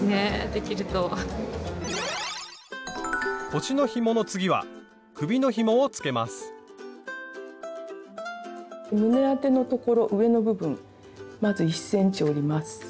「腰のひも」の次は胸当てのところ上の部分まず１ｃｍ折ります。